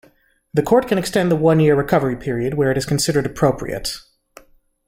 The court can extend the one-year recovery period where it is considered appropriate.